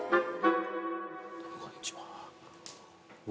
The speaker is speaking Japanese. こんにちは。